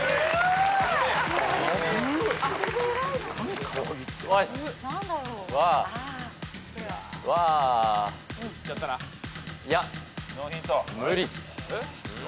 いや無理っす。